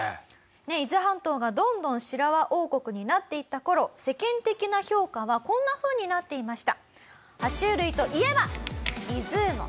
伊豆半島がどんどんシラワ王国になっていった頃世間的な評価はこんな風になっていました。